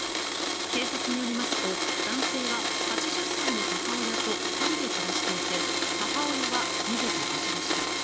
警察によりますと男性は８０歳の母親と２人で暮らしていて母親は逃げて無事でした。